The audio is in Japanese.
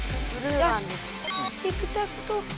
チクタクと。